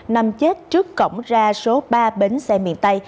nằm chết trước cổng ra số ba bến xe miền tây